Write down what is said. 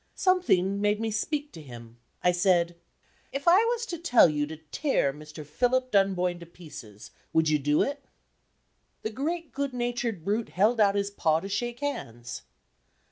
Something made me speak to him. I said: "If I was to tell you to tear Mr. Philip Dunboyne to pieces, would you do it?" The great good natured brute held out his paw to shake hands.